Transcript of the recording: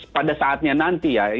pada saatnya nanti ya